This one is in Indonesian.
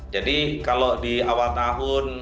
jadi kalau di awal tahun